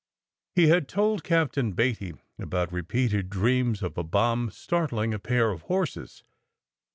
He had told Captain Beatty about repeated dreams of a bomb startling a pair of horses.